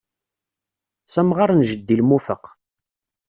S amɣar n jeddi lmufeq.